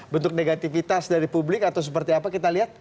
bentuk negatifitas dari publik atau seperti apa kita lihat